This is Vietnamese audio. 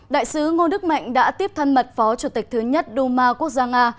đại sứ ngô đức mạnh đã tiếp thân mật phó chủ tịch thứ nhất đu ma quốc gia nga